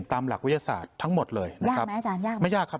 ตามหลักวิทยาศาสตร์ทั้งหมดเลยยากไหมอาจารย์ยากไม่ยากครับ